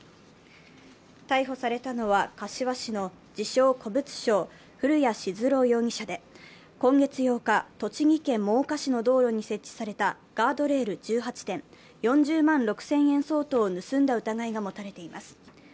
逮捕されたのは、柏市の自称・古物商、古谷温朗容疑者で、今月８日、栃木県真岡市の道路に設置されたガードレール１８点、４０万６０００円相当を盗んだ疑いが持たれています。